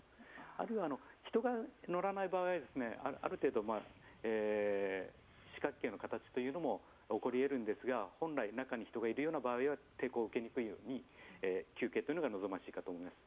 あるいは人が乗らない場合はある程度、四角形の形というのも起こり得るんですが本来、中に人がいるような場合は抵抗を受けにくいように球形が望ましいかと思います。